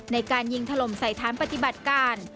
ในการยิงถล่มใส่ฐานปฏิบัติการ